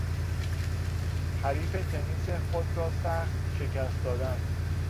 حریف تنیس خود را سخت شکست دادن